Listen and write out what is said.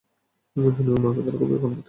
ওজনে এবং মাপে তারা খুবই কম দিত।